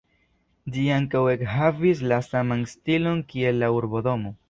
Ĝi ankaŭ ekhavis la saman stilon kiel la urbodomo.